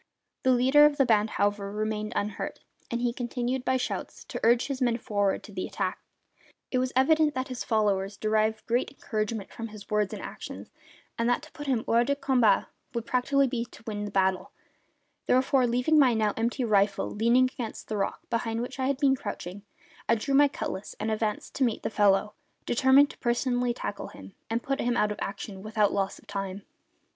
The leader of the band, however, remained unhurt, and he continued, by shouts, to urge his men forward to the attack. It was evident that his followers derived great encouragement from his words and actions, and that to put him hors de combat would practically be to win the battle; therefore, leaving my now empty rifle leaning against the rock behind which I had been crouching, I drew my cutlass and advanced to meet the fellow, determined to personally tackle him and put him out of action without loss of time.